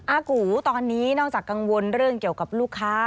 อากูตอนนี้นอกจากกังวลเรื่องเกี่ยวกับลูกค้า